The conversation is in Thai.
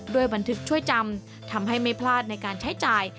บันทึกช่วยจำทำให้ไม่พลาดในการใช้จ่าย